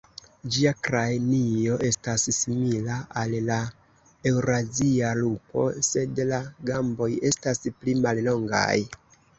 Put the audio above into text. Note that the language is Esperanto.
Ĝia kranio estas simila al la eŭrazia lupo, sed la gamboj estas pli mallongaj.